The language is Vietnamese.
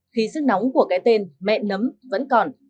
khi sức nóng của cái tên mẹ nấm vẫn còn